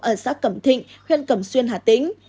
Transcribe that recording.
ở xã cẩm thịnh khuyên cẩm xuyên hà tĩnh